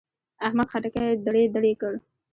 احمد خټکی دړې دړې کړ.